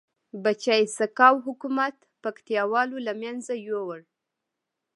بچه سقاو حکومت پکتيا والو لمنځه یوړ